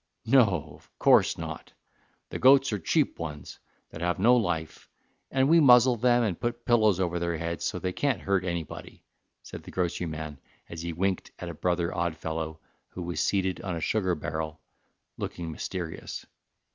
"No, of course not. The goats are cheap ones, that have no life, and we muzzle them, and put pillows over their heads so they can't hurt anybody," said the grocery man, as he winked at a brother Oddfellow who was seated on a sugar barrel, looking mysterious.